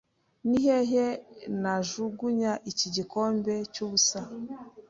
Ni hehe najugunya iki gikombe cyubusa?